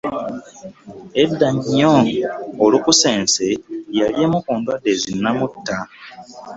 Edda ennyo olukusense yali emu ku ndwadde zinnamutta.